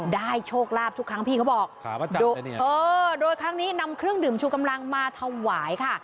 อ๋อได้โชคลาภทุกครั้งพี่เขาบอกขามาจับแล้วเนี่ยเออโดยครั้งนี้นำเครื่องดื่มชูกำลังมาถวายค่ะ